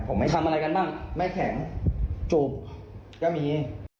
ทำอะไรกันบ้างแม่แข็งจูบก็มี